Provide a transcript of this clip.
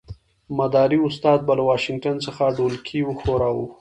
مداري استاد به له واشنګټن څخه ډولکی وښوراوه.